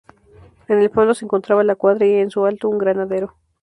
En el fondo se encontraba la cuadra y en su alto un granero.